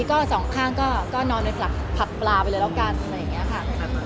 ก็คุณหมอให้ระวังเรื่องบุรีนั่นแหละค่ะ